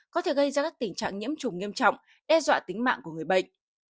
có thể gây ra các tình trạng nhiễm trùng nghiêm trọng đe dọa tính mạng của người bệnh